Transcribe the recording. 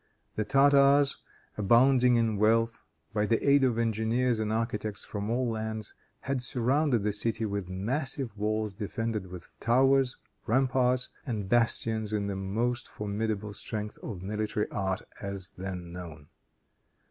The Tartars, abounding in wealth, by the aid of engineers and architects from all lands, had surrounded the city with massive walls defended with towers, ramparts and bastions in the most formidable strength of military art as then known.